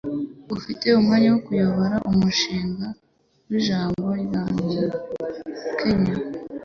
Ufite umwanya wo kuyobora umushinga wijambo ryanjye, Ken?